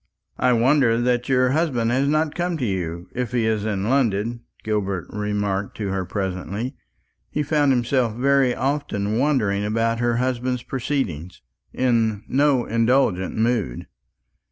"I wonder that your husband has not come to you, if he is in London," Gilbert remarked to her presently. He found himself very often wondering about her husband's proceedings, in no indulgent mood.